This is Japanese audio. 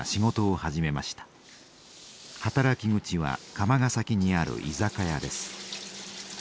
働き口は釜ヶ崎にある居酒屋です。